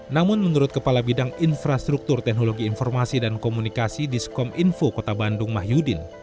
namun menurut kepala bidang infrastruktur teknologi informasi dan komunikasi diskom info kota bandung mahyudin